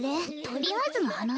とりあえずのはな？